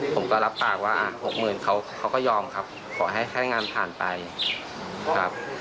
ผมก็รับปากว่าหกหมื่นเขาก็ยอมครับขอให้ค่ายงานผ่านไปครับ